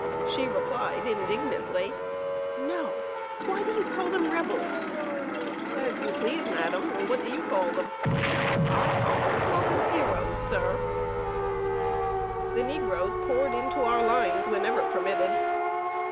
She replied, indignantly: "No! Why do you call them Rebels?" "As you please, madam; what do you call them?" "I call them Southern heroes, sir!" [Sidenote: THE NEGROES "WATCHING AND WAITING."] The negroes poured into our lines whenever permitted.